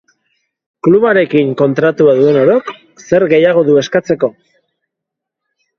Klubarekin kontratua duen orok zer gehiago du eskatzeko.